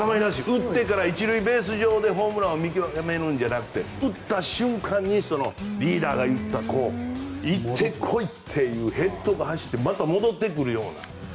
打ってから１塁ベース上でホームランを見極めるんじゃなくて打った瞬間にリーダーが言った行って来いっていうヘッドが走ってまた戻ってくるような。